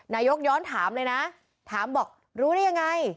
ย้อนถามเลยนะถามบอกรู้ได้ยังไง